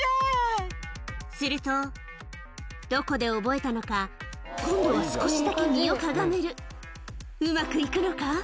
するとどこで覚えたのか今度は少しだけ身をかがめるうまく行くのか？